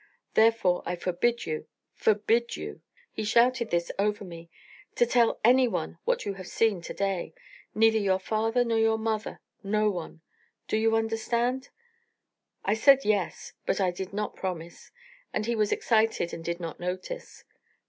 Therefore I forbid you forbid you ' he shouted this over me, 'to tell any one of what you have seen to day. Neither your father nor your mother no one. Do you understand?' I said 'Yes,' but I did not promise, and he was excited and did not notice.